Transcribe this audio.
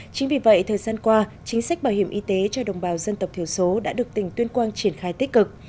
chính vì vậy thời gian qua chính sách bảo hiểm y tế cho đồng bào dân tộc thiểu số đã được tỉnh tuyên quang triển khai tích cực